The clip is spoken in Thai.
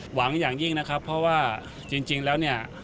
หวังอย่างยิ่งเพราะว่าจริงแล้ว